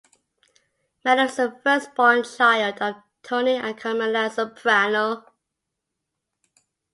Meadow is the first-born child of Tony and Carmela Soprano.